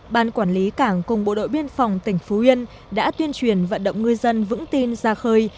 ban quản lý cảng cùng bộ đội biên phòng tỉnh phú yên đã tuyên truyền vận động ngư dân vững tin ra khơi